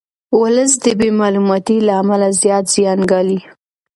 ولس د بې معلوماتۍ له امله زیات زیان ګالي.